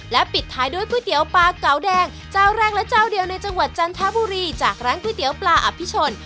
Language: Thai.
ปิดท้ายด้วยก๋วยเตี๋ยวปลาเก๋าแดงเจ้าแรกและเจ้าเดียวในจังหวัดจันทบุรีจากร้านก๋วยเตี๋ยวปลาอภิชน